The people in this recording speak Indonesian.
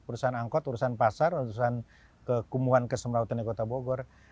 urusan angkot urusan pasar urusan kekumbuhan kesemerautan di kota bogor